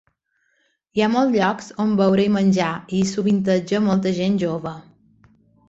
Hi ha molts llocs on beure i menjar i hi sovinteja molta gent jove.